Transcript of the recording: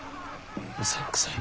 うさんくさい。